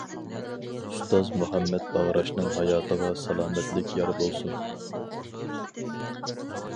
ئۇستاز مۇھەممەد باغراشنىڭ ھاياتىغا سالامەتلىك يار بولسۇن.